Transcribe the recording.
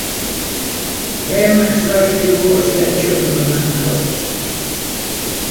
Parents rushed towards their children and goods.